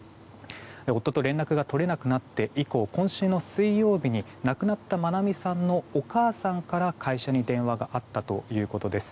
夫と連絡が取れなくなって以降今週の水曜日に亡くなった愛美さんのお母さんから会社に電話があったということです。